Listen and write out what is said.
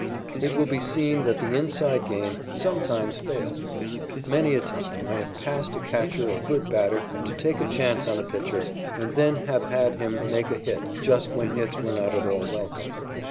It will be seen that the "inside" game sometimes fails. Many a time I have passed a catcher or good batter to take a chance on a pitcher, and then have had him make a hit just when hits were not at all welcome.